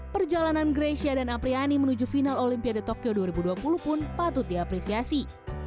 perjalanan grecia dan apriani menuju final olimpiade tokyo dua ribu dua puluh pun patut diapresiasi